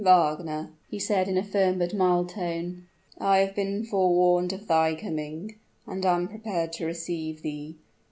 "Wagner," he said, in a firm but mild tone, "I have been forewarned of thy coming, and am prepared to receive thee.